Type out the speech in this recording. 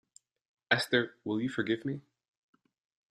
Esther, will you forgive me?